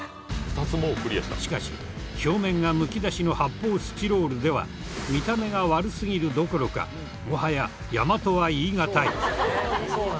しかし表面がむき出しの発泡スチロールでは見た目が悪すぎるどころかもはや山とは言いがたい。